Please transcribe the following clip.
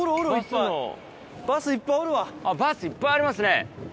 バスいっぱいありますね。